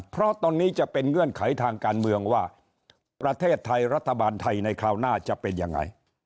เพราะตรงนี้จะเป็นเงื่อนไขทางการเมืองว่าประเทศไทยรัฐบาลไทยในคราวหน้าจะเป็นยังไง